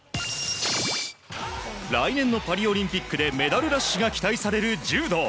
来年のパリオリンピックでメダルラッシュが期待される柔道。